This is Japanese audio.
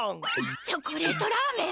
チョコレートラーメン！